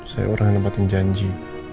saya orang yang nebatin janji